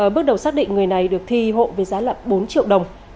bước đầu xác định người này được thi hộ với giá bốn triệu đồng